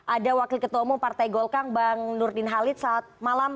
ada wakil ketua umum partai golkar bang nurdin halid selamat malam